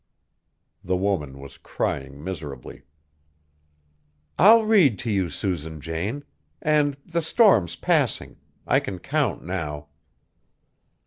The woman was crying miserably. "I'll read to you, Susan Jane; and the storm's passing. I can count now."